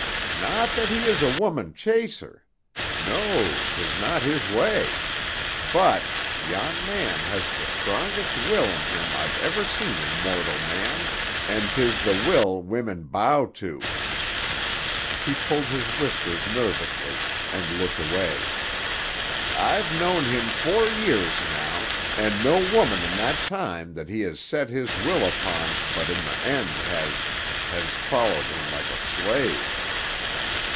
"Not that he is a woman chaser. No; 'tis not his way. But—yon man has the strongest will in him I've ever seen in mortal man, and 'tis the will women bow to." He pulled his whiskers nervously and looked away. "I've known him four year now, and no woman in that time that he has set his will upon but in the end has—has followed him like a slave."